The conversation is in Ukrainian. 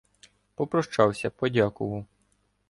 Попрощався, подякував.